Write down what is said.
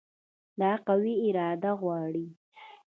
دا قوي اراده غواړي.